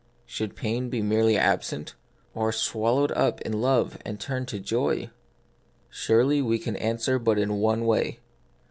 Should pain be merely absent, or swallowed up in love and turned to joy ? Surely we can answer but in one way.